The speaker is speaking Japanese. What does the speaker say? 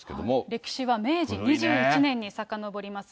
歴史は明治２１年にさかのぼります。